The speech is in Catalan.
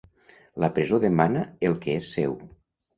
La presó demana el que és seu.